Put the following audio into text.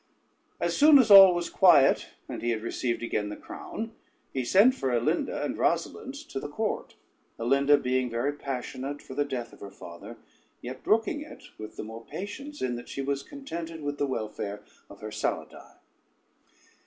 As soon as all was quiet and he had received again the crown, he sent for Alinda and Rosalynde to the court, Alinda being very passionate for the death of her father, yet brooking it with the more patience, in that she was contented with the welfare of her Saladyne.